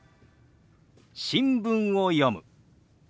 「新聞を読む」。